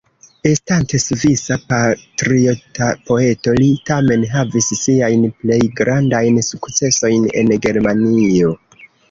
Estante svisa patriota poeto, li tamen havis siajn plej grandajn sukcesojn en Germanio.